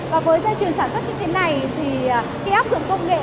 và với dây chuyền sản xuất như thế này thì khi áp dụng công nghệ